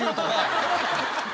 ハハハハ！